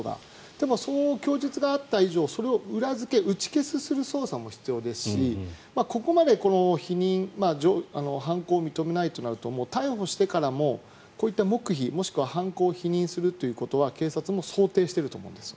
でも、そう供述があった以上それを裏付けする捜査も必要ですしここまで否認犯行を認めないとなると逮捕してからも、こういった黙秘もしくは犯行を否認することは警察も想定していると思うんです。